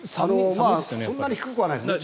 そんなに低くはないです。